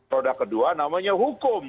roda kedua namanya hukum